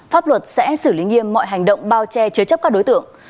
pháp luật sẽ xử lý nghiêm mọi hành động bao che chứa chấp các đối tượng